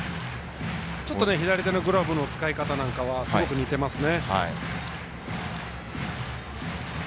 ちょっと左手のグラブの使い方なんかはすごく似ていますね。